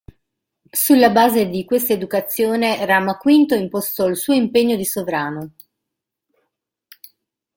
Sulla base di questa educazione, Rama V impostò il suo impegno di sovrano.